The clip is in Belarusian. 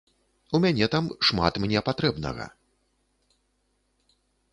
У мяне там шмат мне патрэбнага.